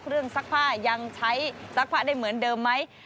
ซักผ้ายังใช้ซักผ้าได้เหมือนเดิมไหม